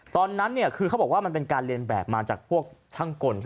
ตอนนั้นเนี่ยคือเขาบอกว่ามันเป็นการเรียนแบบมาจากพวกช่างกล